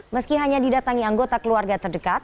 meski hanya didatangi anggota keluarga terdekat